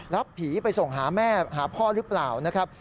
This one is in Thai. รับผีไปส่งหาแม่หาพ่อหรือเปล่านะครับ